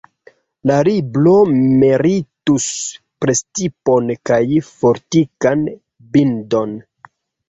La libro meritus prestipon kaj fortikan bindon.